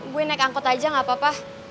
gue naik angkot aja gak apa apa